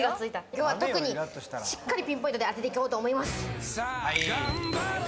きょうは特にしっかりピンポイントで当てていこうと思います。